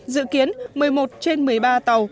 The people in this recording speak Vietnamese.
dự kiến một mươi một trên một mươi ba tàu